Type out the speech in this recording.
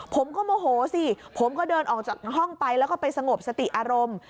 โมโหสิผมก็เดินออกจากห้องไปแล้วก็ไปสงบสติอารมณ์